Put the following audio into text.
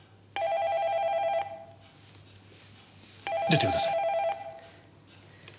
出てください。